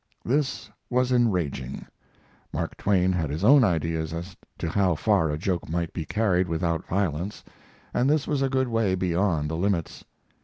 This was enraging. Mark Twain had his own ideas as to how far a joke might be carried without violence, and this was a good way beyond the limits.